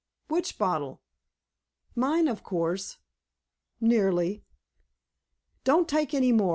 "Which bottle?" "Mine, of course." "Nearly." "Don't take any more.